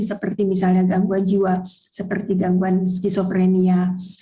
seperti misalnya gangguan jiwa seperti gangguan skizofrenia